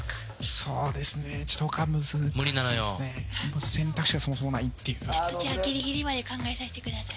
そうですねちょっと選択肢がそもそもないっていうちょっとじゃあギリギリまで考えさせてください